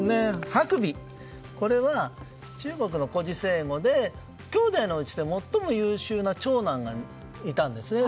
白眉は中国の故事成語できょうだいのうちで最も優秀な長男がいたんですね。